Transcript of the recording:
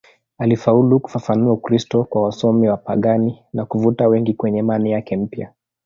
Alifaulu kufafanua Ukristo kwa wasomi wapagani na kuvuta wengi kwenye imani yake mpya.